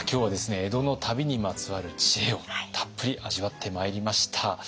江戸の旅にまつわる知恵をたっぷり味わってまいりました。